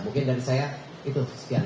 mungkin dari saya itu